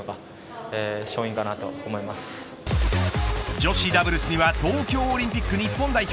女子ダブルスには東京オリンピック日本代表